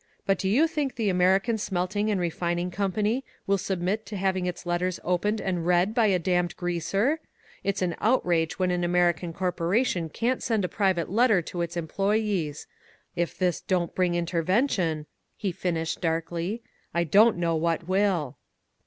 "But do you think the American Smelting and Refining Company will submit to having its letters opened and read by a damned greaser? It's an outrage when an American corpora tion can't send a private letter to its employees! If this don't bring Intervention," he finished, darkly, ^^I don't know what will!"